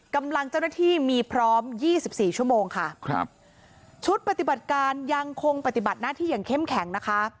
กำลังเจ้าหน้าที่มีพร้อมยี่สิบสี่ชั่วโมงค่ะครับชุดปฏิบัติการยังคงปฏิบัติหน้าที่อย่างเข้มแข็งนะคะ